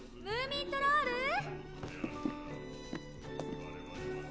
ムーミントロール！